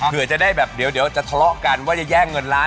เผื่อจะได้แบบเดี๋ยวจะทะเลาะกันว่าจะแย่งเงินล้าน